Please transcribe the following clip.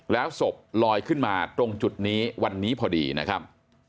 แล้วศพลอยขึ้นมาตรงจุดนี้วันนี้พอดีนะครับ